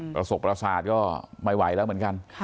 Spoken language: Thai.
ประสบประสาทก็ไม่ไหวแล้วเหมือนกัน